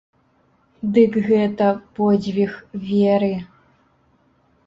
Дык гэта подзвіг веры!